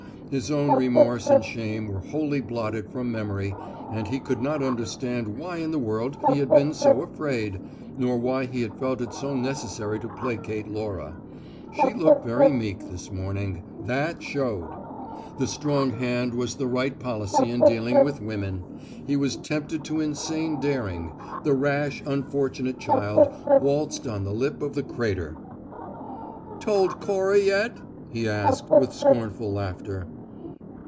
His own remorse and shame were wholly blotted from memory, and he could not understand why in the world he had been so afraid, nor why he had felt it so necessary to placate Laura. She looked very meek this morning. That showed! The strong hand was the right policy in dealing with women. He was tempted to insane daring: the rash, unfortunate child waltzed on the lip of the crater. "Told Cora yet?" he asked, with scornful laughter.